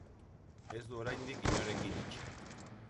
Ez du oraindik inorekin itxi.